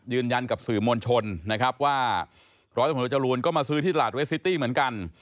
ยืนยันกับสื่อมวลชนนะครับว่าร้อยตำรวจจรูนก็มาซื้อที่ตลาดเวสซิตี้เหมือนกัน